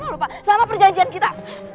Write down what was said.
lupa sama perjanjian kita